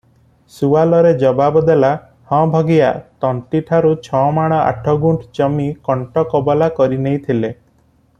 ସୁଆଲରେ ଜବାବ ଦେଲା, "ହଁ ଭଗିଆ ତନ୍ତୀଠାରୁ ଛମାଣ ଆଠଗୁଣ୍ଠ ଜମି କଣ୍ଟ କବଲା କରିନେଇଥିଲେ ।